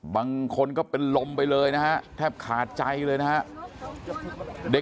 บางคนก็เป็นลมไปเลยนะฮะแทบขาดใจเลยนะฮะ